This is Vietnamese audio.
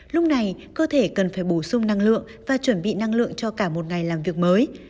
lúc này cơ thể cần phải bổ sung năng lượng và chuẩn bị năng lượng cho cả một ngày làm việc mới